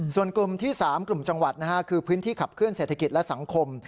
ส่วนกลุ่มที่๓กลุ่มจังหวัดคือพื้นที่ขับเคลื่อเศรษฐกิจและสังคม